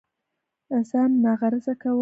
ځان ناغرضه كول